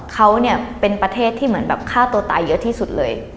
เขาเนี่ยเป็นประเทศที่เหมือนแบบฆ่าตัวตายเยอะที่สุดเลย